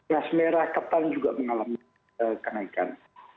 gas merah ketan juga mengalami kenaikan